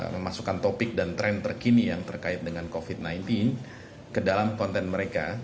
memasukkan topik dan tren terkini yang terkait dengan covid sembilan belas ke dalam konten mereka